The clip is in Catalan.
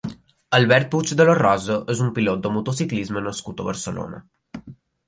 Albert Puig de la Rosa és un pilot de motociclisme nascut a Barcelona.